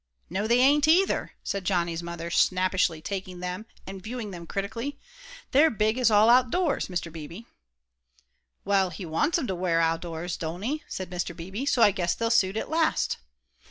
"No, they ain't either," said Johnny's mother, snappishly taking them, and viewing them critically, "they're big as all out doors, Mr. Beebe." "Well, he wants 'em to wear out o' doors, don't he?" said Mr. Beebe, "so I guess they'll suit, at last."